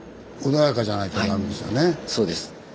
そうです。